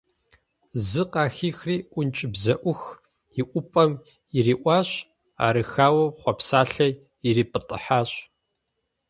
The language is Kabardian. Зы къахихри ӀункӀыбзэӀух иӀупӀэм ириӀуащ, арыххэу… хъуэпсалэр ирипӀытӀыхьащ.